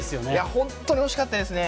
本当に惜しかったですね。